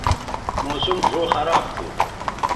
موسم ڙھؤ خراب تھو